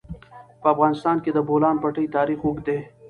په افغانستان کې د د بولان پټي تاریخ اوږد دی.